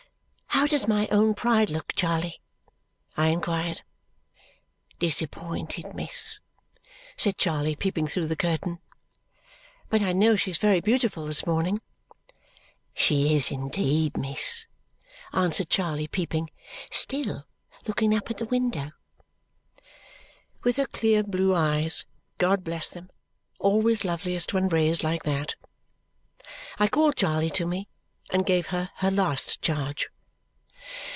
"How does my own Pride look, Charley?" I inquired. "Disappointed, miss," said Charley, peeping through the curtain. "But I know she is very beautiful this morning." "She is indeed, miss," answered Charley, peeping. "Still looking up at the window." With her blue clear eyes, God bless them, always loveliest when raised like that! I called Charley to me and gave her her last charge.